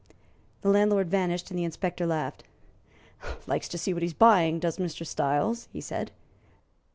The landlord vanished, and the inspector laughed. "Likes to see what he's buying, does Mr. Styles," he said.